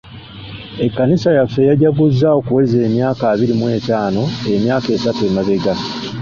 Ekkanisa yaffe yajjaguza okuweza emyaka abiri mu ettaano emyaka esatu emabega.